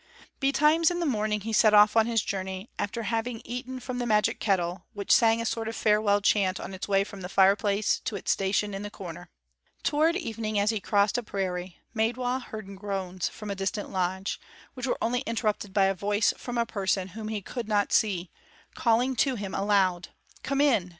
Betimes in the morning he set off on his journey, after having eaten from the magic kettle, which sang a sort of farewell chant on its way from the fireplace to its station in the corner. Toward evening as he crossed a prairie, Maidwa heard groans from a distant lodge, which were only interrupted by a voice from a person whom he could not see, calling to him aloud: "Come in!